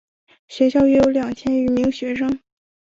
学校约有两千余名学生。